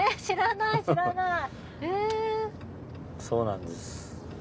そうなんです。